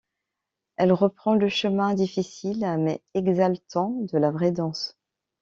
Elle reprend le chemin difficile mais exaltant de la vraie danse.